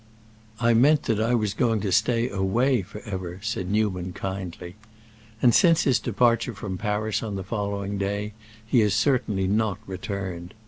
"I meant that I was going to stay away forever," said Newman kindly. And since his departure from Paris on the following day he has certainly not returned.